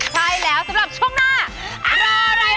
ใช่แล้วสำหรับช่วงหน้า